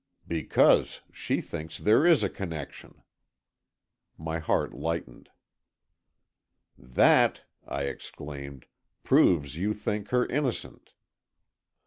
"Because she thinks there is a connection——" My heart lightened. "That," I exclaimed, "proves you think her innocent."